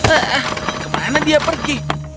ah kemana dia pergi